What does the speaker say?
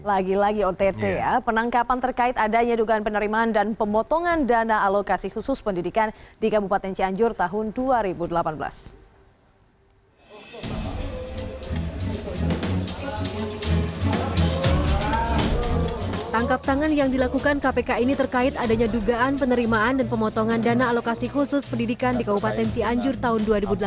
lagi lagi ott ya penangkapan terkait adanya dugaan penerimaan dan pemotongan dana alokasi khusus pendidikan di kabupaten cianjur tahun dua ribu delapan belas